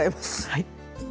はい。